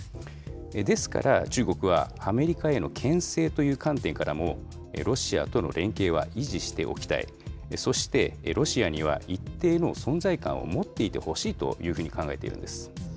ですから、中国はアメリカへのけん制という観点からも、ロシアとの連携は維持しておきたい、そして、ロシアには一定の存在感を持っていてほしいというふうに考えているんです。